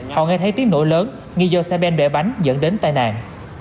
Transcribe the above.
họ nghe thấy tiếng nổi lớn nghi do xe ben bẻ bánh dẫn đến tài nạn